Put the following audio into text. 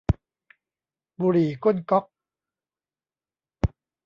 บุหรี่ก้นก๊อก